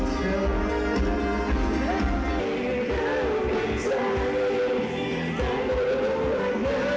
ที่แอบมาเรียกสายฝนโมเบาพร้อมพาแฟนให้ได้โยกย้ายกันค่ะ